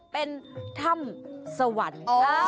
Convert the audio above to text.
เป็นธรรมสวรรค์